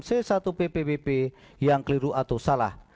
c satu ppwp yang keliru atau salah